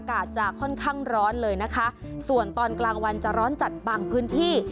อากาศจะค่อนข้างร้อนเลยนะคะส่วนตอนกลางวันจะร้อนจัดบางพื้นที่